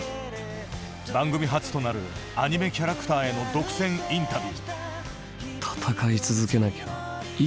番組初となるアニメキャラクターへの独占インタビュー。